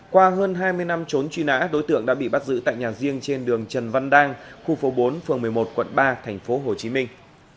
qua hơn hai mươi năm trốn truy nã đối tượng đã bị bắt giữ tại nhà riêng trên đường trần văn đang khu phố bốn phường một mươi một quận ba thành phố hồ chí minh